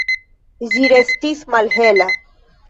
Ĝi restis malhela.